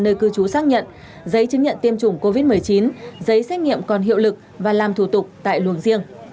nơi cư trú xác nhận giấy chứng nhận tiêm chủng covid một mươi chín giấy xét nghiệm còn hiệu lực và làm thủ tục tại luồng riêng